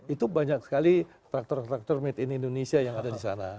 itu banyak sekali traktor traktor made in indonesia yang ada di sana